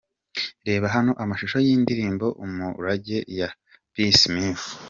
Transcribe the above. Reba hano amashusho y'indirimbo Umurage ya P Smith.